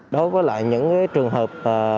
đối với lại những trường hợp